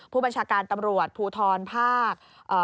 ผู้บัญชาการตำรวจภูทรภาค